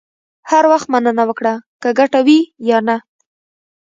هر وخت مننه وکړه، که ګټه وي یا نه.